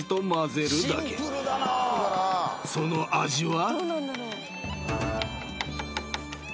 ［その味は］